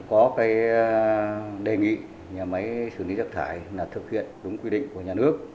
có cái đề nghị nhà máy xử lý rác thải là thực hiện đúng quy định của nhà nước